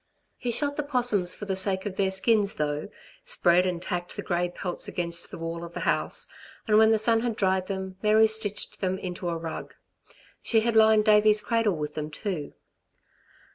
He shot the 'possums for the sake of their skins though, spread and tacked the grey pelts against the wall of the house, and when the sun had dried them, Mary stitched them into a rug. She had lined Davey's cradle with them, too.